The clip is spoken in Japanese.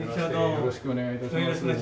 よろしくお願いします。